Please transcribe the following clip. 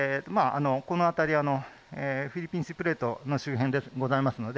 この辺り、フィリピンプレートの周辺ですので